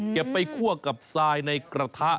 เก็บไปคั่วกับทรายในกระทะ